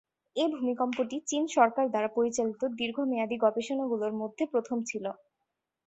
এ ভূমিকম্পটি চীন সরকার দ্বারা পরিচালিত দীর্ঘমেয়াদী গবেষণা গুলোর মধ্যে প্রথম ছিল।